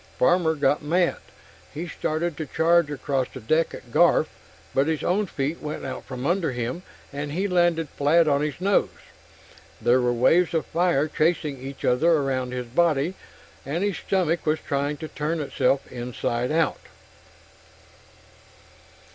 Farmer got mad. He started to charge across the deck at Garf, but his own feet went out from under him and he landed flat on his nose. There were waves of fire chasing each other around his body, and his stomach was trying to turn itself inside out.